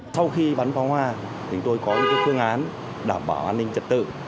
sau khi bắn phá hoa chúng tôi có những phương án đảm bảo an ninh trực tự